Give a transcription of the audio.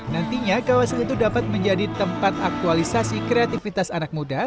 nantinya kawasan itu dapat menjadi tempat aktualisasi kreativitas anak muda